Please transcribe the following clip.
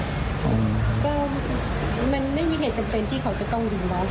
ก็มันไม่มีเหตุจำเป็นที่เขาจะต้องยิงน้อง